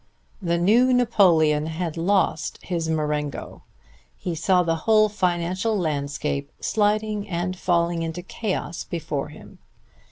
The new Napoleon had lost his Marengo. He saw the whole financial landscape sliding and falling into chaos before him.